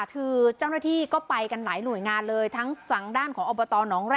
คือเจ้าหน้าที่ก็ไปกันไหนหนุ่ยงานเลยทั้งสั่งด้านของอบตน